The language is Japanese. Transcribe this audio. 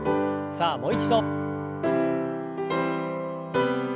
さあもう一度。